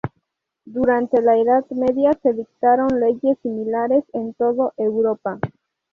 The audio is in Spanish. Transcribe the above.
Durante la Edad Media se dictaron leyes similares en todo Europa.